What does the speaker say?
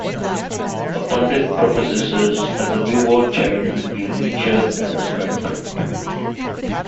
A pandit prophesies that the newborn child will be a lecher and a spendthrift.